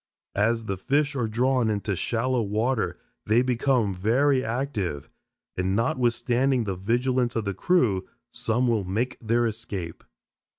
As the fish are drawn into shallow water they become very active, and notwithstanding the vigilance of the crew, some will make their escape.